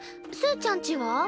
すーちゃんちは？